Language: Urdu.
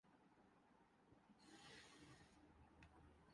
شاید آپ کو یہ بھی معلوم ہو